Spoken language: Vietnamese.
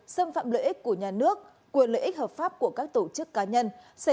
xâm phạm lợi ích của nhà nước quyền lợi ích hợp pháp của các tổ chức cá nhân